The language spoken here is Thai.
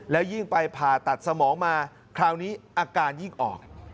แล้วยิ่งไปผ่าตัดสมองมาคราวนี้อาการยิ่งออก